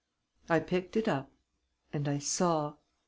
I picked it up ... and I saw....